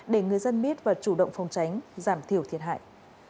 để người dân biết và chủ động phòng tránh giảm thiểu thiệt hại